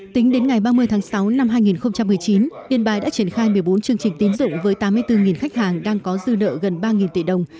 tính đến ngày ba mươi tháng sáu năm hai nghìn một mươi chín yên bài đã triển khai một mươi bốn chương trình tín dụng với tám mươi bốn khách hàng đang có dư nợ gần ba tỷ đồng